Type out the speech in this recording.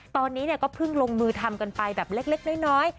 ตอนนี้ก็เพิ่งลงมือทำกันไปแบบเล็กน้อย